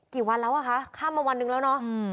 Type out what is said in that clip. กี่วันแล้วคะข้ามมา๑วันนึงแล้วนะ